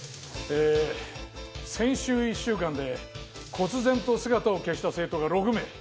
先週１週間でこつ然と姿を消した生徒が６名。